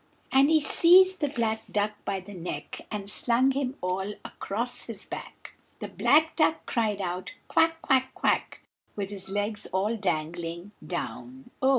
And he seized the black duck by the neck, And slung him all across his back, The black duck cried out "quack, quack, quack," With his legs all dangling down o!